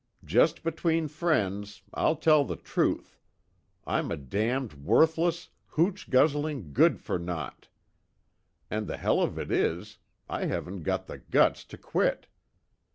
Just between friends, I'll tell the truth I'm a damned worthless, hooch guzzling good for naught! And the hell of it is, I haven't got the guts to quit!"